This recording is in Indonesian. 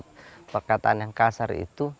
atau kata kata yang kasar itu